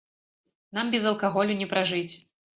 Нам без алкаголю не пражыць.